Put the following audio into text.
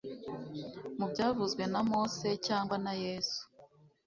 mu byavuzwe na mose cyangwa na yesu